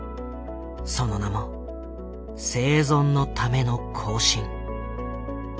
その名も「生存のための行進」。